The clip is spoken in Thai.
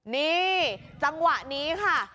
นี่จังหวะนี้ค่ะ